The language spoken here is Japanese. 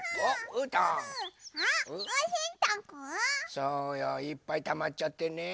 そうよいっぱいたまっちゃってね